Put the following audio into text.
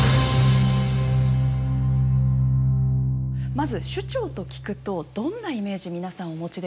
まず首長と聞くとどんなイメージ皆さんお持ちでしょうか。